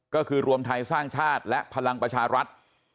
ก็คือรวมไทยสร้างชาติและพลังประชารัฐ